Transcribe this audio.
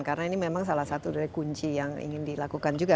karena ini memang salah satu dari kunci yang ingin dilakukan juga